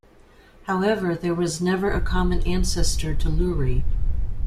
However, there was never a common ancestor to Luri.